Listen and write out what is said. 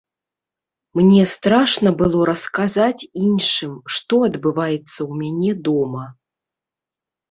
Мне страшна было расказаць іншым, што адбываецца ў мяне дома.